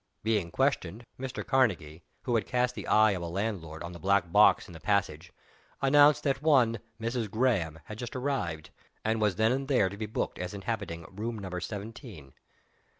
Being questioned, Mr. Karnegie (who had cast the eye of a landlord on the black box in the passage) announced that one "Mrs. Graham" had just arrived, and was then and there to be booked as inhabiting Room Number Seventeen.